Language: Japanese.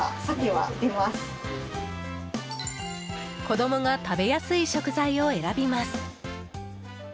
子供が食べやすい食材を選びます。